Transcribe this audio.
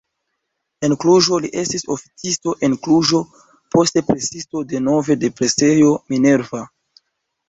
En Kluĵo li estis oficisto en Kluĵo, poste presisto denove de presejo Minerva.